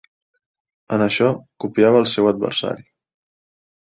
En això, copiava el seu adversari.